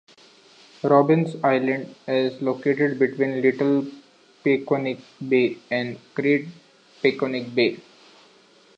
Robins Island is located between Little Peconic Bay and Great Peconic Bay.